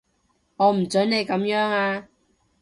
我唔準你噉樣啊